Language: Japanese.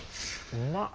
うまっ！